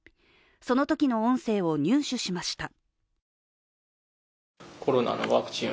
そのときの音声を入手しました。